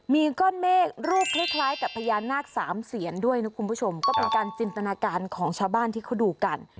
มีก้อนเมฆรูปคล้ายคล้ายกับพญานาคสามเสียนด้วยนะคุณผู้ชมก็เป็นการจินตนาการของชาวบ้านที่เขาดูกัน